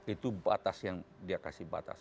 itu batas yang dia kasih batas